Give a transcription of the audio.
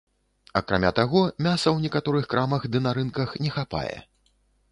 Акрамя таго, мяса ў некаторых крамах ды на рынках не хапае.